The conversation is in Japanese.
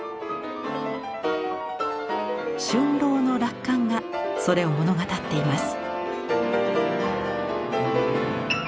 春朗の落款がそれを物語っています。